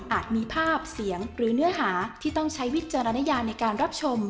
มีภาพเสียงหรือเนื้อหาที่ต้องใช้วิจารณญาในการรับชม